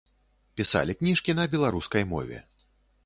Пісалі кніжкі на беларускай мове.